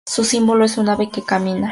Su símbolo es un ave que camina.